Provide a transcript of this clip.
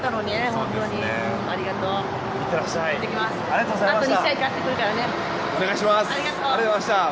連日ありがとうございました。